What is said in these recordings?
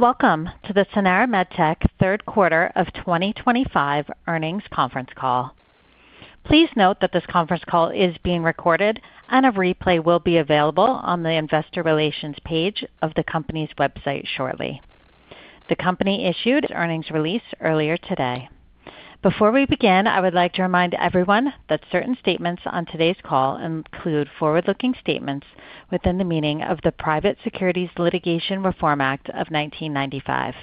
Welcome to the Sanara MedTech third quarter of 2025 earnings conference call. Please note that this conference call is being recorded, and a replay will be available on the investor relations page of the company's website shortly. The company issued earnings release earlier today. Before we begin, I would like to remind everyone that certain statements on today's call include forward-looking statements within the meaning of the Private Securities Litigation Reform Act of 1995.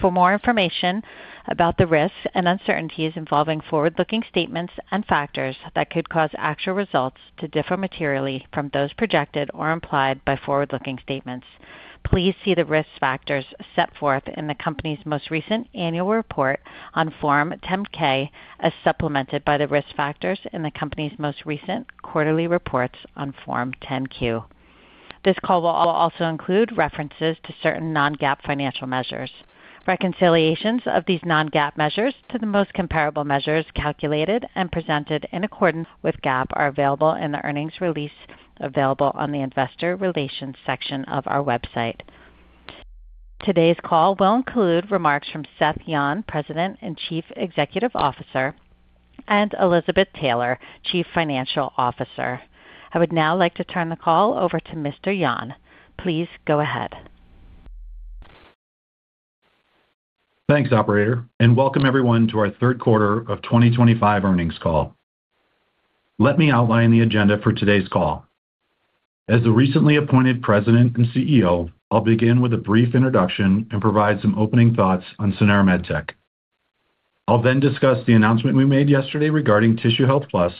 For more information about the risks and uncertainties involving forward-looking statements and factors that could cause actual results to differ materially from those projected or implied by forward-looking statements, please see the risk factors set forth in the company's most recent annual report on Form 10-K, as supplemented by the risk factors in the company's most recent quarterly reports on Form 10-Q. This call will also include references to certain non-GAAP financial measures. Reconciliations of these non-GAAP measures to the most comparable measures calculated and presented in accordance with GAAP are available in the earnings release available on the investor relations section of our website. Today's call will include remarks from Seth Yon, President and Chief Executive Officer, and Elizabeth Taylor, Chief Financial Officer. I would now like to turn the call over to Mr. Yon. Please go ahead. Thanks, Operator, and welcome everyone to our third quarter of 2025 earnings call. Let me outline the agenda for today's call. As the recently appointed President and CEO, I'll begin with a brief introduction and provide some opening thoughts on Sanara MedTech. I'll then discuss the announcement we made yesterday regarding Tissue Health Plus.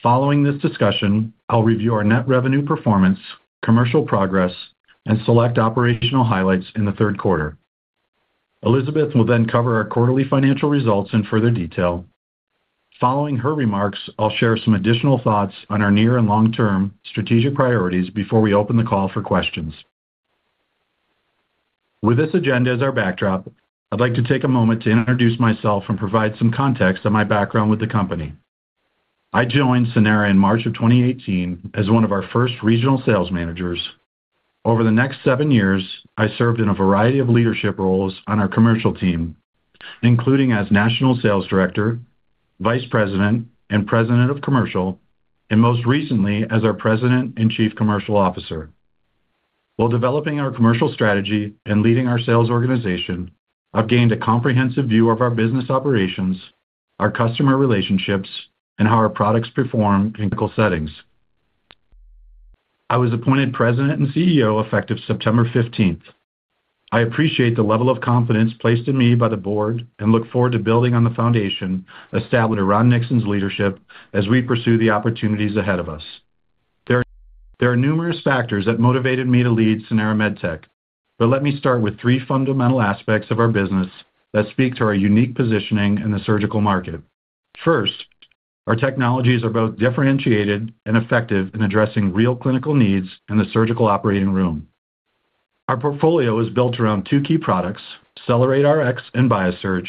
Following this discussion, I'll review our net revenue performance, commercial progress, and select operational highlights in the third quarter. Elizabeth will then cover our quarterly financial results in further detail. Following her remarks, I'll share some additional thoughts on our near and long-term strategic priorities before we open the call for questions. With this agenda as our backdrop, I'd like to take a moment to introduce myself and provide some context on my background with the company. I joined Sanara in March of 2018 as one of our first regional sales managers. Over the next seven years, I served in a variety of leadership roles on our commercial team, including as National Sales Director, Vice President, and President of Commercial, and most recently as our President and Chief Commercial Officer. While developing our commercial strategy and leading our sales organization, I've gained a comprehensive view of our business operations, our customer relationships, and how our products perform in critical settings. I was appointed President and CEO effective September 15th. I appreciate the level of confidence placed in me by the board and look forward to building on the foundation established by Ron Nixon's leadership as we pursue the opportunities ahead of us. There are numerous factors that motivated me to lead Sanara MedTech, but let me start with three fundamental aspects of our business that speak to our unique positioning in the surgical market. First, our technologies are both differentiated and effective in addressing real clinical needs in the surgical operating room. Our portfolio is built around two key products, CellerateRX Surgical and BiOSurge,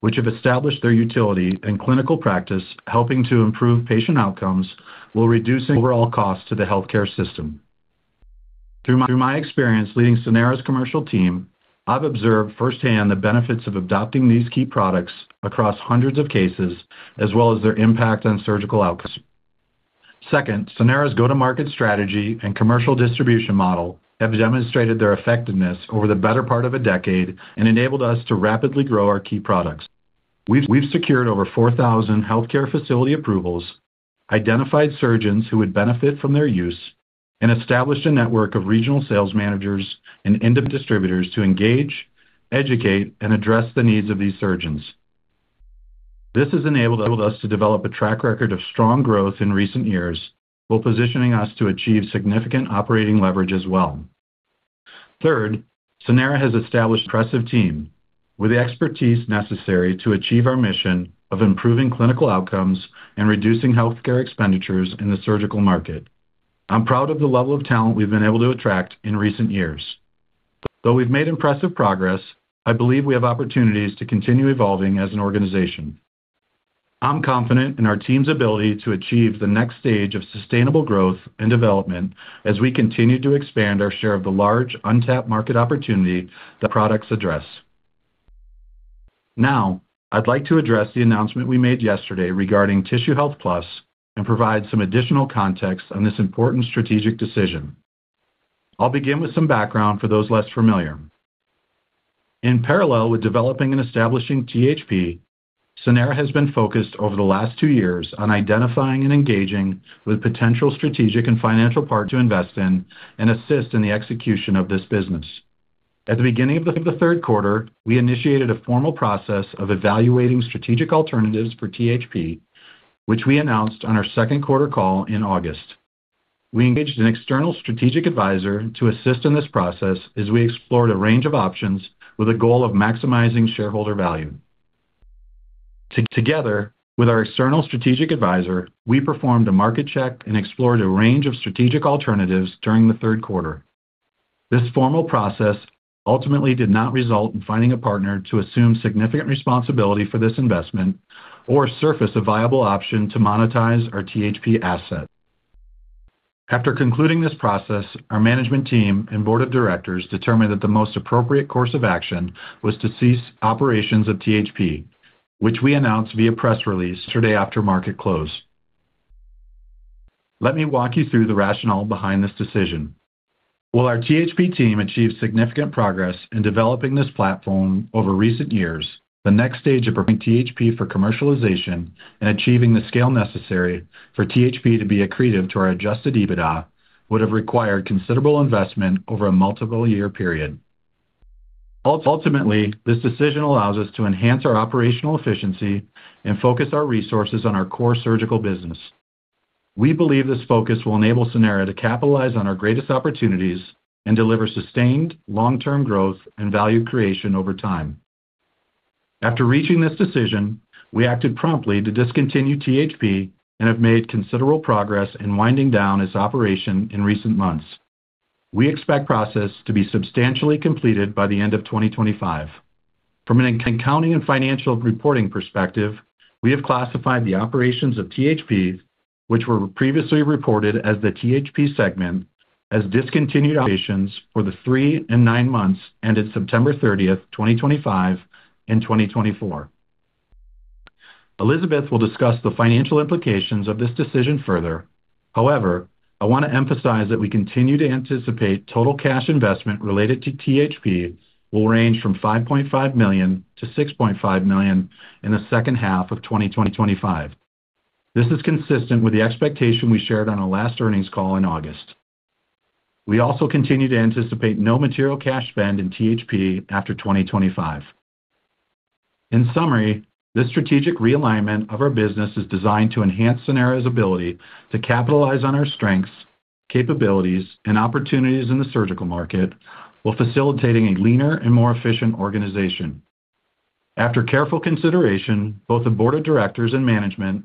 which have established their utility and clinical practice, helping to improve patient outcomes while reducing overall costs to the healthcare system. Through my experience leading Sanara's commercial team, I've observed firsthand the benefits of adopting these key products across hundreds of cases, as well as their impact on surgical outcomes. Second, Sanara's go-to-market strategy and commercial distribution model have demonstrated their effectiveness over the better part of a decade and enabled us to rapidly grow our key products. We've secured over 4,000 healthcare facility approvals, identified surgeons who would benefit from their use, and established a network of regional sales managers and industry distributors to engage, educate, and address the needs of these surgeons. This has enabled us to develop a track record of strong growth in recent years, while positioning us to achieve significant operating leverage as well. Third, Sanara has established an impressive team with the expertise necessary to achieve our mission of improving clinical outcomes and reducing healthcare expenditures in the surgical market. I'm proud of the level of talent we've been able to attract in recent years. Though we've made impressive progress, I believe we have opportunities to continue evolving as an organization. I'm confident in our team's ability to achieve the next stage of sustainable growth and development as we continue to expand our share of the large untapped market opportunity that products address. Now, I'd like to address the announcement we made yesterday regarding Tissue Health Plus and provide some additional context on this important strategic decision. I'll begin with some background for those less familiar. In parallel with developing and establishing THP, Sanara has been focused over the last two years on identifying and engaging with potential strategic and financial partners to invest in and assist in the execution of this business. At the beginning of the third quarter, we initiated a formal process of evaluating strategic alternatives for THP, which we announced on our second quarter call in August. We engaged an external strategic advisor to assist in this process as we explored a range of options with a goal of maximizing shareholder value. Together with our external strategic advisor, we performed a market check and explored a range of strategic alternatives during the third quarter. This formal process ultimately did not result in finding a partner to assume significant responsibility for this investment or surface a viable option to monetize our THP asset. After concluding this process, our management team and board of directors determined that the most appropriate course of action was to cease operations of THP, which we announced via press release yesterday after market close. Let me walk you through the rationale behind this decision. While our THP team achieved significant progress in developing this platform over recent years, the next stage of preparing THP for commercialization and achieving the scale necessary for THP to be accretive to our adjusted EBITDA would have required considerable investment over a multiple-year period. Ultimately, this decision allows us to enhance our operational efficiency and focus our resources on our core surgical business. We believe this focus will enable Sanara to capitalize on our greatest opportunities and deliver sustained long-term growth and value creation over time. After reaching this decision, we acted promptly to discontinue THP and have made considerable progress in winding down its operation in recent months. We expect the process to be substantially completed by the end of 2025. From an accounting and financial reporting perspective, we have classified the operations of THP, which were previously reported as the THP segment, as discontinued operations for the three and nine months ended September 30, 2025, and 2024. Elizabeth will discuss the financial implications of this decision further. However, I want to emphasize that we continue to anticipate total cash investment related to THP will range from $5.5 million-$6.5 million in the second half of 2025. This is consistent with the expectation we shared on our last earnings call in August. We also continue to anticipate no material cash spend in THP after 2025. In summary, this strategic realignment of our business is designed to enhance Sanara's ability to capitalize on our strengths, capabilities, and opportunities in the surgical market while facilitating a leaner and more efficient organization. After careful consideration, both the board of directors and management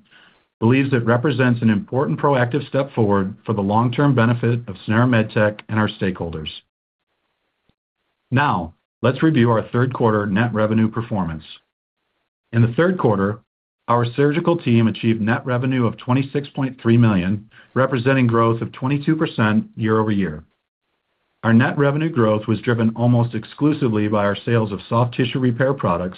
believe it represents an important proactive step forward for the long-term benefit of Sanara MedTech and our stakeholders. Now, let's review our third quarter net revenue performance. In the third quarter, our surgical team achieved net revenue of $26.3 million, representing growth of 22% year-over-year. Our net revenue growth was driven almost exclusively by our sales of soft tissue repair products.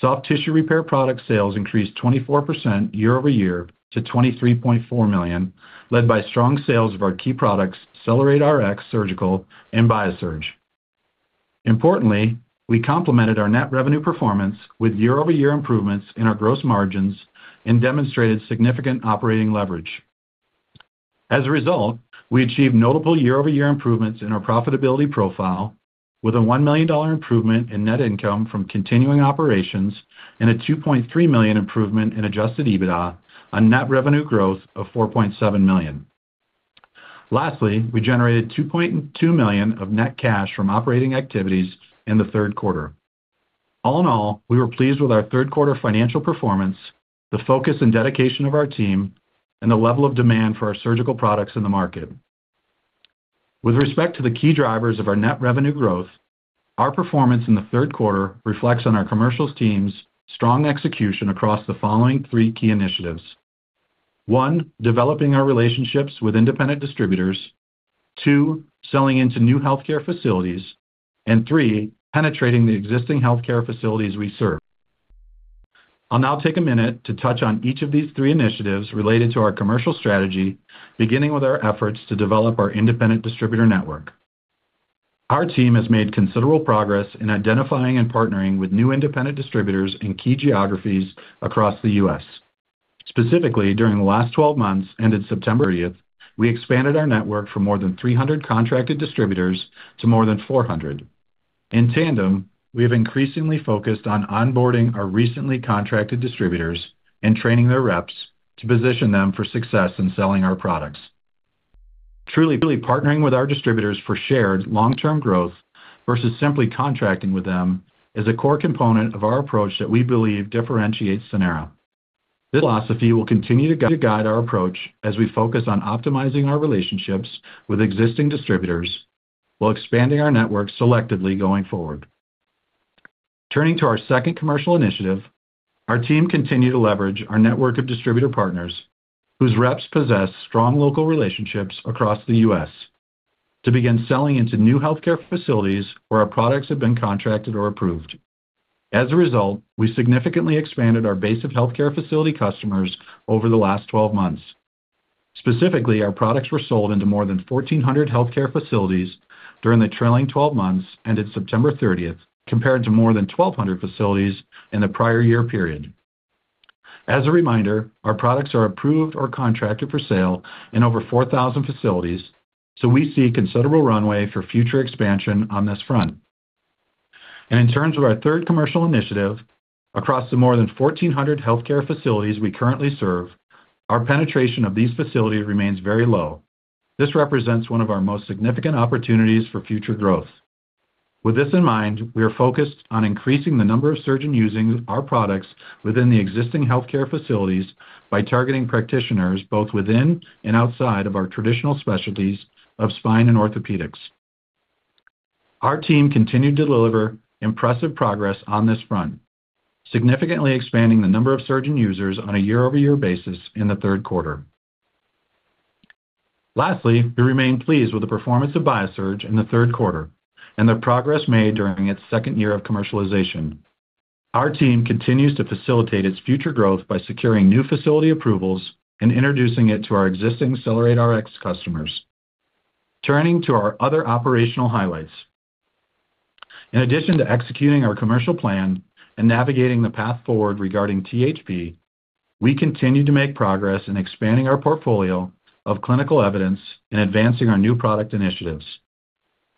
Soft tissue repair product sales increased 24% year over year to $23.4 million, led by strong sales of our key products, CellerateRX Surgical and BiOSurge. Importantly, we complemented our net revenue performance with year-over-year improvements in our gross margins and demonstrated significant operating leverage. As a result, we achieved notable year-over-year improvements in our profitability profile, with a $1 million improvement in net income from continuing operations and a $2.3 million improvement in adjusted EBITDA, a net revenue growth of $4.7 million. Lastly, we generated $2.2 million of net cash from operating activities in the third quarter. All in all, we were pleased with our third quarter financial performance, the focus and dedication of our team, and the level of demand for our surgical products in the market. With respect to the key drivers of our net revenue growth, our performance in the third quarter reflects on our commercial team's strong execution across the following three key initiatives: one, developing our relationships with independent distributors; two, selling into new healthcare facilities; and three, penetrating the existing healthcare facilities we serve. I'll now take a minute to touch on each of these three initiatives related to our commercial strategy, beginning with our efforts to develop our independent distributor network. Our team has made considerable progress in identifying and partnering with new independent distributors in key geographies across the U.S. Specifically, during the last 12 months ended September 30, we expanded our network from more than 300 contracted distributors to more than 400. In tandem, we have increasingly focused on onboarding our recently contracted distributors and training their reps to position them for success in selling our products. Truly partnering with our distributors for shared long-term growth versus simply contracting with them is a core component of our approach that we believe differentiates Sanara. This philosophy will continue to guide our approach as we focus on optimizing our relationships with existing distributors while expanding our network selectively going forward. Turning to our second commercial initiative, our team continues to leverage our network of distributor partners, whose reps possess strong local relationships across the U.S., to begin selling into new healthcare facilities where our products have been contracted or approved. As a result, we significantly expanded our base of healthcare facility customers over the last 12 months. Specifically, our products were sold into more than 1,400 healthcare facilities during the trailing 12 months ended September 30, compared to more than 1,200 facilities in the prior year period. As a reminder, our products are approved or contracted for sale in over 4,000 facilities, so we see a considerable runway for future expansion on this front. In terms of our third commercial initiative, across the more than 1,400 healthcare facilities we currently serve, our penetration of these facilities remains very low. This represents one of our most significant opportunities for future growth. With this in mind, we are focused on increasing the number of surgeons using our products within the existing healthcare facilities by targeting practitioners both within and outside of our traditional specialties of spine and orthopedics. Our team continues to deliver impressive progress on this front, significantly expanding the number of surgeon users on a year-over-year basis in the third quarter. Lastly, we remain pleased with the performance of BiOSurge in the third quarter and the progress made during its second year of commercialization. Our team continues to facilitate its future growth by securing new facility approvals and introducing it to our existing CellerateRX Surgical customers. Turning to our other operational highlights, in addition to executing our commercial plan and navigating the path forward regarding THP, we continue to make progress in expanding our portfolio of clinical evidence and advancing our new product initiatives.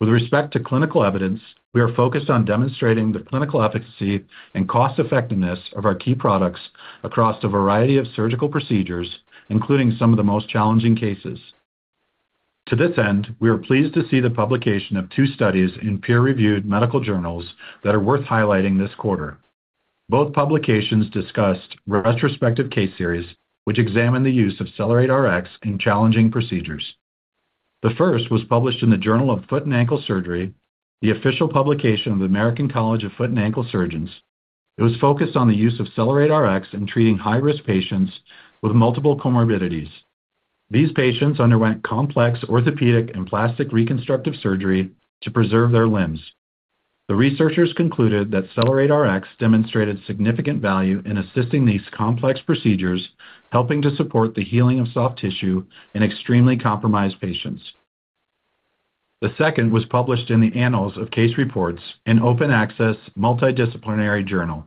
With respect to clinical evidence, we are focused on demonstrating the clinical efficacy and cost-effectiveness of our key products across a variety of surgical procedures, including some of the most challenging cases. To this end, we are pleased to see the publication of two studies in peer-reviewed medical journals that are worth highlighting this quarter. Both publications discussed retrospective case series which examined the use of CellerateRX Surgical in challenging procedures. The first was published in the Journal of Foot and Ankle Surgery, the official publication of the American College of Foot and Ankle Surgeons. It was focused on the use of CellerateRX Surgical in treating high-risk patients with multiple comorbidities. These patients underwent complex orthopedic and plastic reconstructive surgery to preserve their limbs. The researchers concluded that CellerateRX Surgical demonstrated significant value in assisting these complex procedures, helping to support the healing of soft tissue in extremely compromised patients. The second was published in the Annals of Case Reports, an open-access multidisciplinary journal.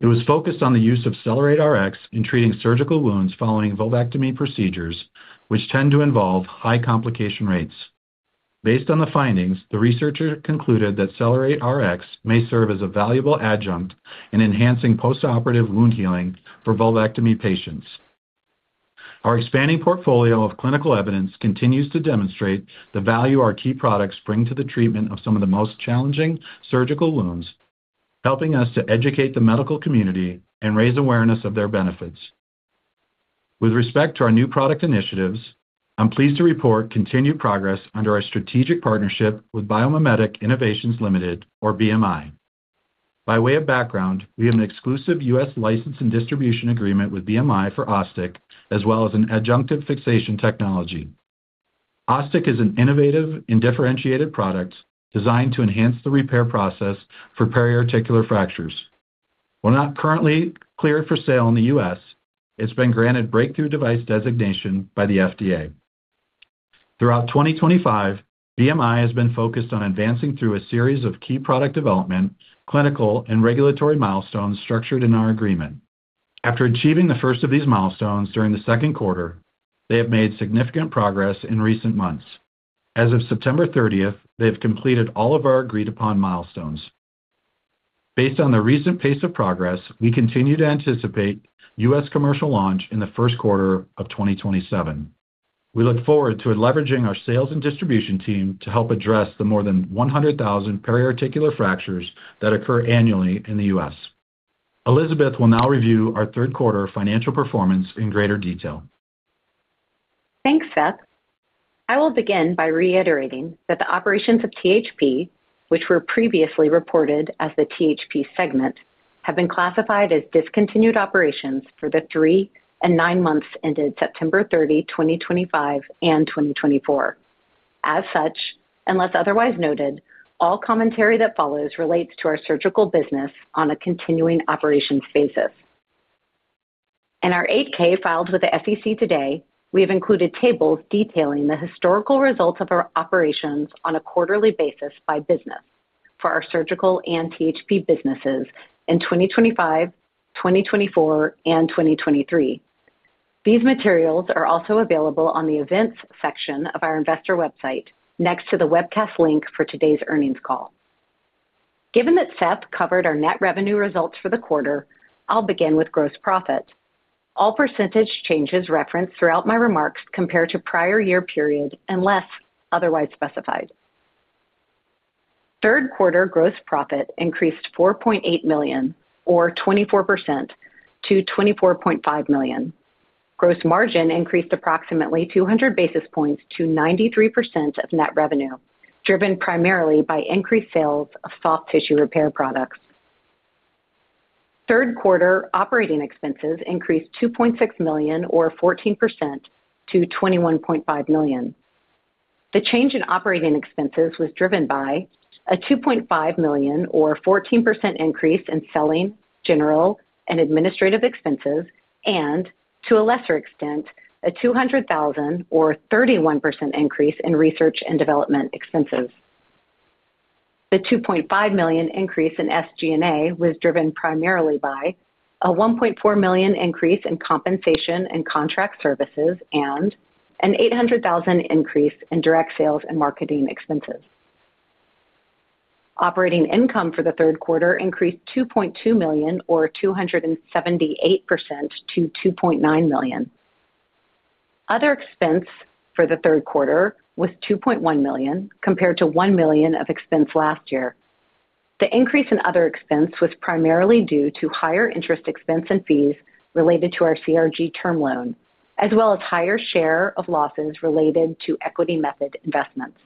It was focused on the use of CellerateRX Surgical in treating surgical wounds following vulvectomy procedures, which tend to involve high complication rates. Based on the findings, the researchers concluded that CellerateRX Surgical may serve as a valuable adjunct in enhancing post-operative wound healing for vulvectomy patients. Our expanding portfolio of clinical evidence continues to demonstrate the value our key products bring to the treatment of some of the most challenging surgical wounds, helping us to educate the medical community and raise awareness of their benefits. With respect to our new product initiatives, I'm pleased to report continued progress under our strategic partnership with Biomimetic Innovations Limited, or BMI. By way of background, we have an exclusive U.S. license and distribution agreement with BMI for OSTIC, as well as an adjunctive fixation technology. OSTIC is an innovative and differentiated product designed to enhance the repair process for periarticular fractures. While not currently cleared for sale in the U.S., it's been granted breakthrough device designation by the FDA. Throughout 2025, BMI has been focused on advancing through a series of key product development, clinical, and regulatory milestones structured in our agreement. After achieving the first of these milestones during the second quarter, they have made significant progress in recent months. As of September 30, they have completed all of our agreed-upon milestones. Based on the recent pace of progress, we continue to anticipate U.S. commercial launch in the first quarter of 2027. We look forward to leveraging our sales and distribution team to help address the more than 100,000 periarticular fractures that occur annually in the U.S. Elizabeth will now review our third quarter financial performance in greater detail. Thanks, Seth. I will begin by reiterating that the operations of THP, which were previously reported as the THP segment, have been classified as discontinued operations for the three and nine months ended September 30, 2025, and 2024. As such, unless otherwise noted, all commentary that follows relates to our surgical business on a continuing operations basis. In our 8-K filed with the SEC today, we have included tables detailing the historical results of our operations on a quarterly basis by business for our surgical and THP businesses in 2025, 2024, and 2023. These materials are also available on the events section of our investor website next to the webcast link for today's earnings call. Given that Seth covered our net revenue results for the quarter, I'll begin with gross profit. All percentage changes referenced throughout my remarks compare to prior year period unless otherwise specified. Third quarter gross profit increased $4.8 million, or 24%, to $24.5 million. Gross margin increased approximately 200 basis points to 93% of net revenue, driven primarily by increased sales of soft tissue repair products. Third quarter operating expenses increased $2.6 million, or 14%, to $21.5 million. The change in operating expenses was driven by a $2.5 million, or 14%, increase in selling, general, and administrative expenses, and to a lesser extent, a $200,000, or 31%, increase in research and development expenses. The $2.5 million increase in SG&A was driven primarily by a $1.4 million increase in compensation and contract services and an $800,000 increase in direct sales and marketing expenses. Operating income for the third quarter increased $2.2 million, or 278%, to $2.9 million. Other expense for the third quarter was $2.1 million, compared to $1 million of expense last year. The increase in other expense was primarily due to higher interest expense and fees related to our CRG term loan, as well as higher share of losses related to equity method investments.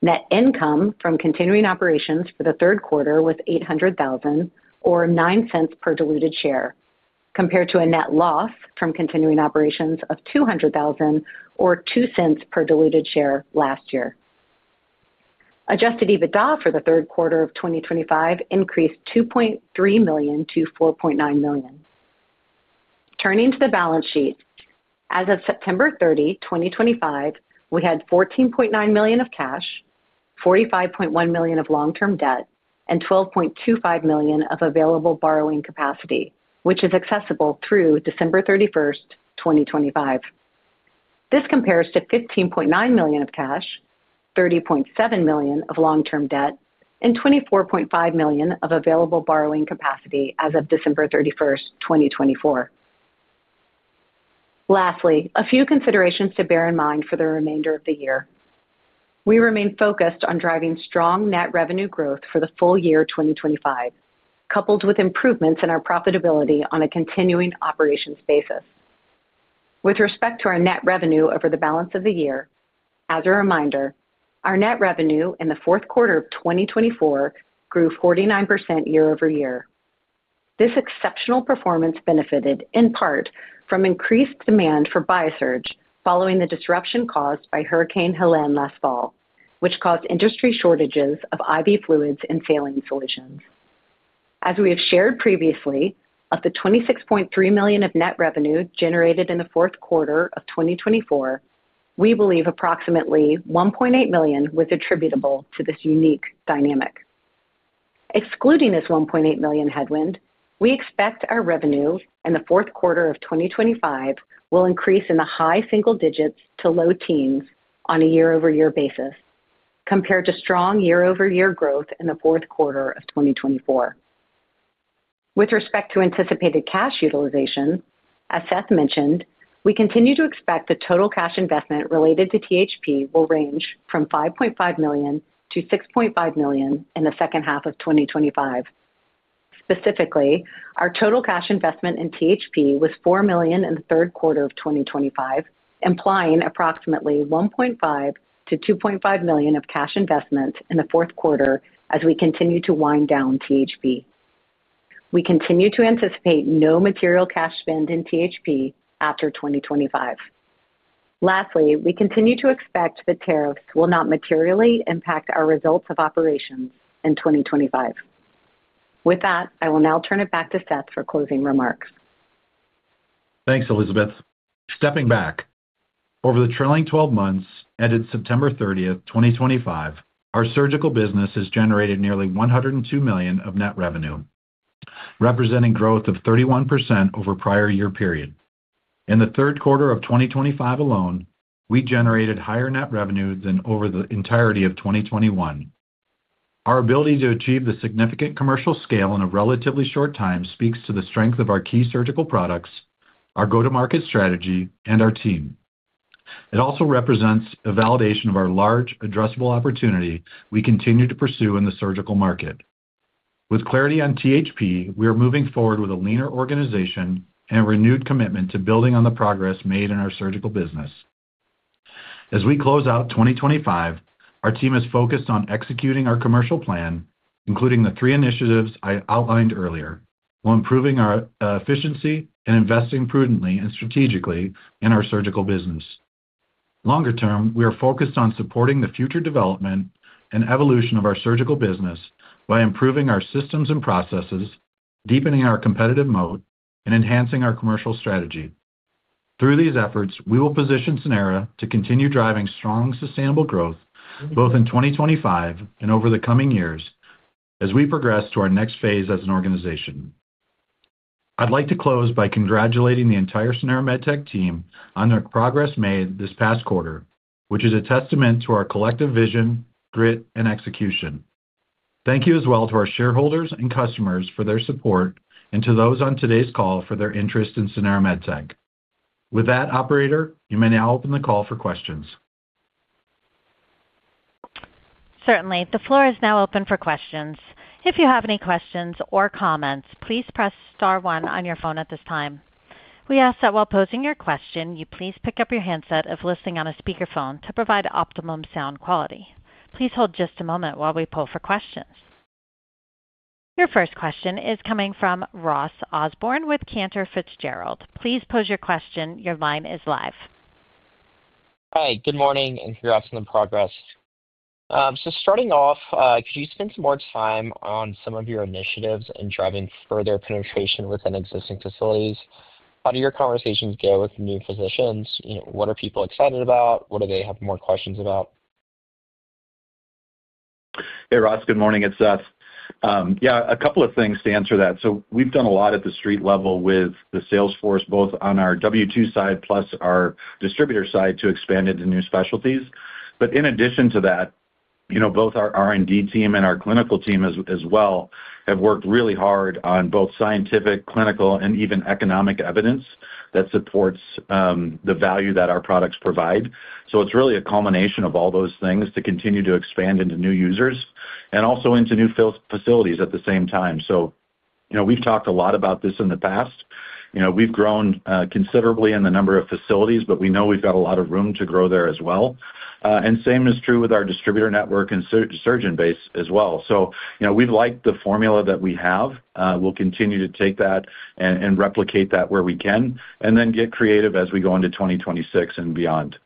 Net income from continuing operations for the third quarter was $800,000, or $0.09 per diluted share, compared to a net loss from continuing operations of $200,000, or $0.02 per diluted share last year. Adjusted EBITDA for the third quarter of 2025 increased $2.3 million-$4.9 million. Turning to the balance sheet, as of September 30, 2025, we had $14.9 million of cash, $45.1 million of long-term debt, and $12.25 million of available borrowing capacity, which is accessible through December 31, 2025. This compares to $15.9 million of cash, $30.7 million of long-term debt, and $24.5 million of available borrowing capacity as of December 31, 2024. Lastly, a few considerations to bear in mind for the remainder of the year. We remain focused on driving strong net revenue growth for the full year 2025, coupled with improvements in our profitability on a continuing operations basis. With respect to our net revenue over the balance of the year, as a reminder, our net revenue in the fourth quarter of 2024 grew 49% year-over-year. This exceptional performance benefited in part from increased demand for BiOSurge following the disruption caused by Hurricane Helen last fall, which caused industry shortages of IV fluids and saline solutions. As we have shared previously, of the $26.3 million of net revenue generated in the fourth quarter of 2024, we believe approximately $1.8 million was attributable to this unique dynamic. Excluding this $1.8 million headwind, we expect our revenue in the fourth quarter of 2025 will increase in the high single digits to low teens on a year-over-year basis, compared to strong year-over-year growth in the fourth quarter of 2024. With respect to anticipated cash utilization, as Seth mentioned, we continue to expect the total cash investment related to THP will range from $5.5 million-$6.5 million in the second half of 2025. Specifically, our total cash investment in THP was $4 million in the third quarter of 2025, implying approximately $1.5-$2.5 million of cash investment in the fourth quarter as we continue to wind down THP. We continue to anticipate no material cash spend in THP after 2025. Lastly, we continue to expect the tariffs will not materially impact our results of operations in 2025. With that, I will now turn it back to Seth for closing remarks. Thanks, Elizabeth. Stepping back, over the trailing 12 months ended September 30th, 2025, our surgical business has generated nearly $102 million of net revenue, representing growth of 31% over prior year period. In the third quarter of 2025 alone, we generated higher net revenue than over the entirety of 2021. Our ability to achieve the significant commercial scale in a relatively short time speaks to the strength of our key surgical products, our go-to-market strategy, and our team. It also represents a validation of our large, addressable opportunity we continue to pursue in the surgical market. With clarity on THP, we are moving forward with a leaner organization and a renewed commitment to building on the progress made in our surgical business. As we close out 2025, our team is focused on executing our commercial plan, including the three initiatives I outlined earlier, while improving our efficiency and investing prudently and strategically in our surgical business. Longer term, we are focused on supporting the future development and evolution of our surgical business by improving our systems and processes, deepening our competitive moat, and enhancing our commercial strategy. Through these efforts, we will position Sanara MedTech to continue driving strong, sustainable growth both in 2025 and over the coming years as we progress to our next phase as an organization. I'd like to close by congratulating the entire Sanara MedTech team on their progress made this past quarter, which is a testament to our collective vision, grit, and execution. Thank you as well to our shareholders and customers for their support and to those on today's call for their interest in Sanara MedTech. With that, Operator, you may now open the call for questions. Certainly. The floor is now open for questions. If you have any questions or comments, please press star one on your phone at this time. We ask that while posing your question, you please pick up your handset if listening on a speakerphone to provide optimum sound quality. Please hold just a moment while we pull for questions. Your first question is coming from Ross Osborne with Cantor Fitzgerald. Please pose your question. Your line is live. Hi. Good morning and congrats on the progress. Starting off, could you spend some more time on some of your initiatives in driving further penetration within existing facilities? How do your conversations go with new physicians? What are people excited about? What do they have more questions about? Hey, Ross. Good morning. It's Seth. Yeah, a couple of things to answer that. We've done a lot at the street level with the salesforce, both on our W-2 side plus our distributor side to expand into new specialties. In addition to that, both our R&D team and our clinical team as well have worked really hard on both scientific, clinical, and even economic evidence that supports the value that our products provide. It's really a culmination of all those things to continue to expand into new users and also into new facilities at the same time. We've talked a lot about this in the past. We've grown considerably in the number of facilities, but we know we've got a lot of room to grow there as well. The same is true with our distributor network and surgeon base as well. We've liked the formula that we have. We'll continue to take that and replicate that where we can and then get creative as we go into 2026 and beyond.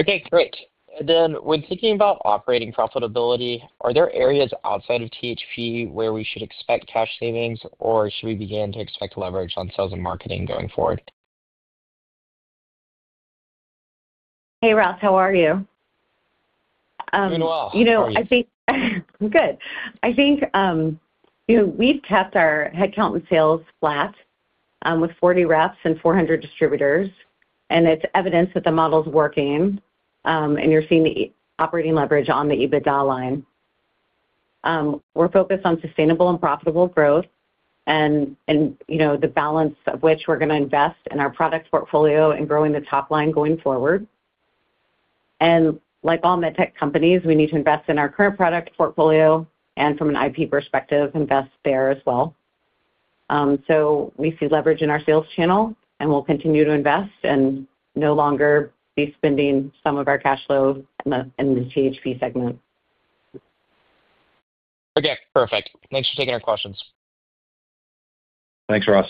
Okay. Great. When thinking about operating profitability, are there areas outside of THP where we should expect cash savings, or should we begin to expect leverage on sales and marketing going forward? Hey, Ross. How are you? Doing well. I think I'm good. I think we've kept our headcount and sales flat with 40 reps and 400 distributors, and it's evidence that the model's working and you're seeing the operating leverage on the EBITDA line. We're focused on sustainable and profitable growth and the balance of which we're going to invest in our product portfolio and growing the top line going forward. Like all MedTech companies, we need to invest in our current product portfolio and, from an IP perspective, invest there as well. We see leverage in our sales channel, and we'll continue to invest and no longer be spending some of our cash flow in the THP segment. Okay. Perfect. Thanks for taking our questions. Thanks, Ross.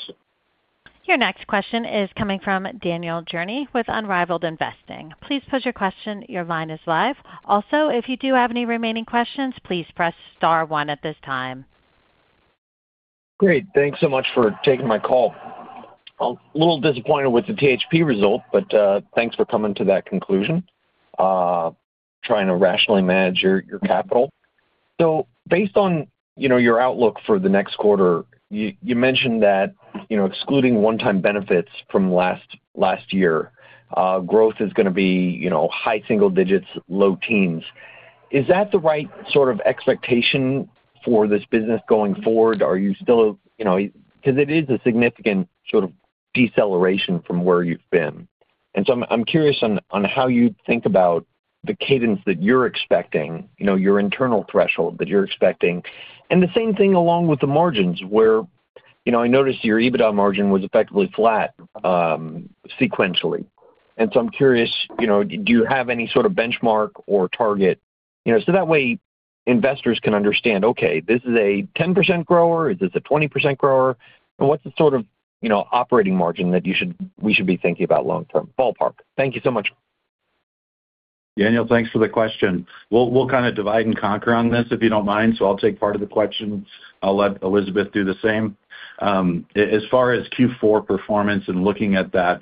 Your next question is coming from Danielle Journey with Unrivaled Investing. Please pose your question. Your line is live. Also, if you do have any remaining questions, please press star one at this time. Great. Thanks so much for taking my call. I'm a little disappointed with the THP result, but thanks for coming to that conclusion, trying to rationally manage your capital. Based on your outlook for the next quarter, you mentioned that excluding one-time benefits from last year, growth is going to be high single digits, low teens. Is that the right sort of expectation for this business going forward? Are you still because it is a significant sort of deceleration from where you've been. I'm curious on how you think about the cadence that you're expecting, your internal threshold that you're expecting, and the same thing along with the margins where I noticed your EBITDA margin was effectively flat sequentially. I'm curious, do you have any sort of benchmark or target so that way investors can understand, "Okay, this is a 10% grower? Is this a 20% grower? And what's the sort of operating margin that we should be thinking about long-term?" Ballpark. Thank you so much. Danielle, thanks for the question. We'll kind of divide and conquer on this, if you don't mind. I'll take part of the questions. I'll let Elizabeth do the same. As far as Q4 performance and looking at that,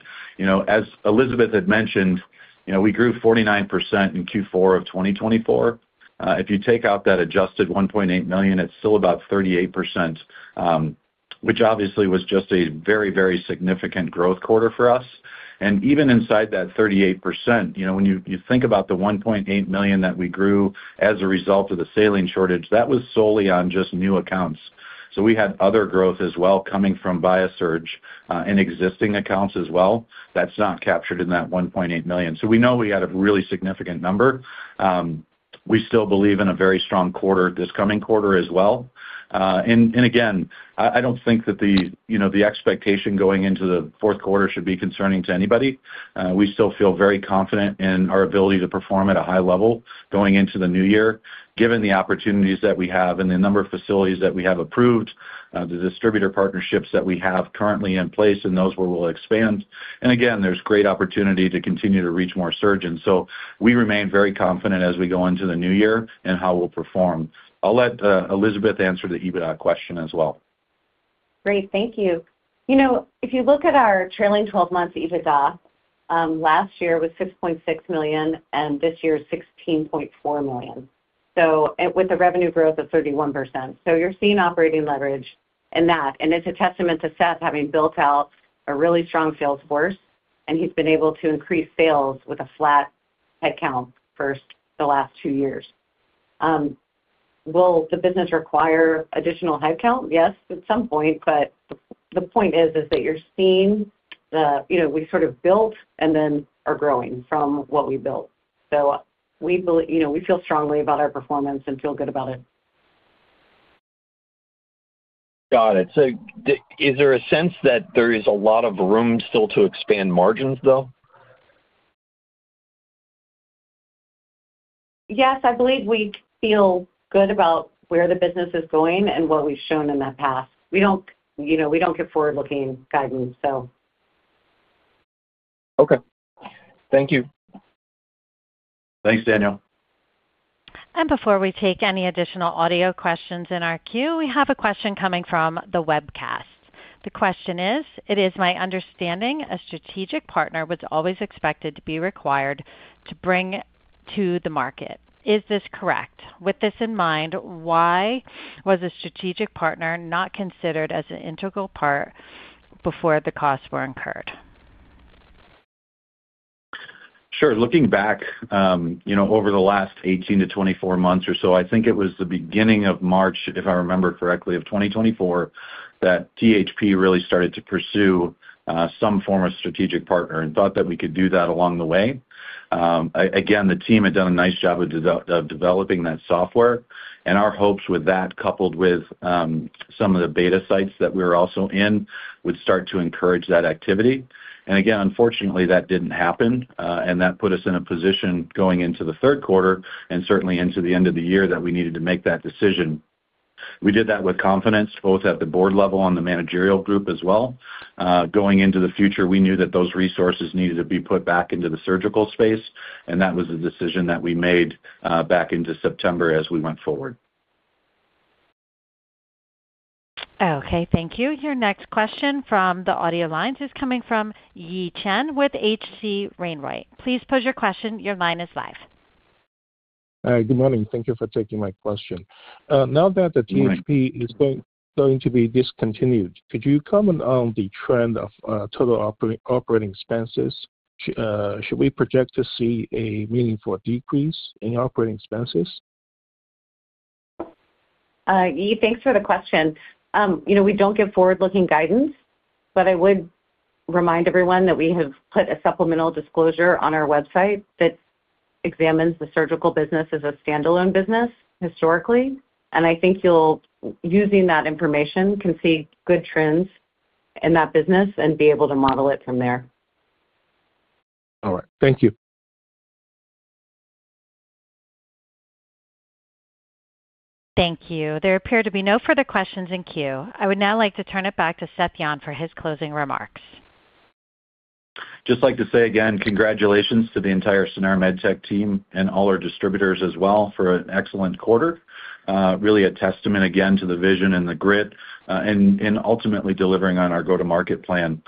as Elizabeth had mentioned, we grew 49% in Q4 of 2024. If you take out that adjusted $1.8 million, it's still about 38%, which obviously was just a very, very significant growth quarter for us. Even inside that 38%, when you think about the $1.8 million that we grew as a result of the saline shortage, that was solely on just new accounts. We had other growth as well coming from BiOSurge in existing accounts as well. That's not captured in that $1.8 million. We know we had a really significant number. We still believe in a very strong quarter this coming quarter as well. I don't think that the expectation going into the fourth quarter should be concerning to anybody. We still feel very confident in our ability to perform at a high level going into the new year, given the opportunities that we have and the number of facilities that we have approved, the distributor partnerships that we have currently in place, and those where we'll expand. There is great opportunity to continue to reach more surgeons. We remain very confident as we go into the new year and how we'll perform. I'll let Elizabeth answer the EBITDA question as well. Great. Thank you. If you look at our trailing 12 months EBITDA, last year was $6.6 million and this year is $16.4 million, with a revenue growth of 31%. You are seeing operating leverage in that. It is a testament to Seth having built out a really strong salesforce, and he's been able to increase sales with a flat headcount for the last two years. Will the business require additional headcount? Yes, at some point. The point is that you're seeing we sort of built and then are growing from what we built. We feel strongly about our performance and feel good about it. Got it. Is there a sense that there is a lot of room still to expand margins, though? Yes, I believe we feel good about where the business is going and what we've shown in the past. We do not give forward-looking guidance. Okay. Thank you. Thanks, Danielle. Before we take any additional audio questions in our queue, we have a question coming from the webcast. The question is, "It is my understanding a strategic partner was always expected to be required to bring to the market. Is this correct? With this in mind, why was a strategic partner not considered as an integral part before the costs were incurred? Sure. Looking back over the last 18-24 months or so, I think it was the beginning of March, if I remember correctly, of 2024, that THP really started to pursue some form of strategic partner and thought that we could do that along the way. Again, the team had done a nice job of developing that software, and our hopes with that, coupled with some of the beta sites that we were also in, would start to encourage that activity. Unfortunately, that did not happen, and that put us in a position going into the third quarter and certainly into the end of the year that we needed to make that decision. We did that with confidence, both at the board level and on the managerial group as well. Going into the future, we knew that those resources needed to be put back into the surgical space, and that was the decision that we made back in September as we went forward. Okay. Thank you. Your next question from the audio lines is coming from Yi Chen with H.C. Wainwright. Please pose your question. Your line is live. Good morning. Thank you for taking my question. Now that the THP is going to be discontinued, could you comment on the trend of total operating expenses? Should we project to see a meaningful decrease in operating expenses? Yi, thanks for the question. We do not give forward-looking guidance, but I would remind everyone that we have put a supplemental disclosure on our website that examines the surgical business as a standalone business historically. I think using that information can see good trends in that business and be able to model it from there. All right. Thank you. Thank you. There appear to be no further questions in queue. I would now like to turn it back to Seth Yon for his closing remarks. Just like to say again, congratulations to the entire Sanara MedTech team and all our distributors as well for an excellent quarter. Really a testament again to the vision and the grit in ultimately delivering on our go-to-market plan.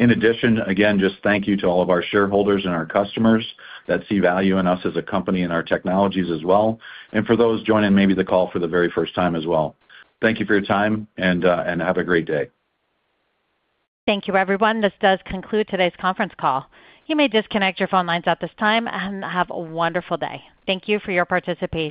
In addition, again, just thank you to all of our shareholders and our customers that see value in us as a company and our technologies as well. And for those joining maybe the call for the very first time as well. Thank you for your time and have a great day. Thank you, everyone. This does conclude today's conference call. You may disconnect your phone lines at this time and have a wonderful day. Thank you for your participation.